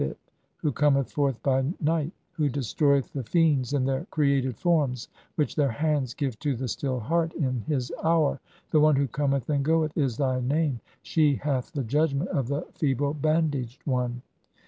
'Mighty one of Souls, red of hair, Aakhabit, "who cometh forth by night ; who destroyeth the Fiends in their "created forms which their hands give to the Still Heart (52) "in his hour ; the one who cometh and goeth', is thy name. "She hath the judgment of the feeble bandaged one."